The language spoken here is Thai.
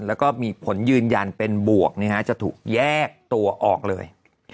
แล้วก็มีผลยืนยันเป็นบวกจะถูกแยกตัวออกเลย